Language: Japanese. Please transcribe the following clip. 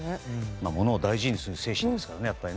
物を大事にする精神ですからね。